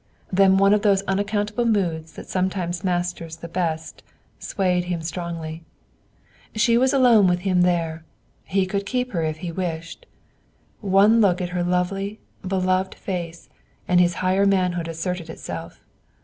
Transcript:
Then one of those unaccountable moods that sometimes masters the best swayed him strongly. She was alone with him there; he could keep her if he wished. One look at her lovely, beloved face, and his higher manhood asserted itself.